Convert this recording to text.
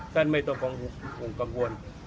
แทนไม่ต้องกังวล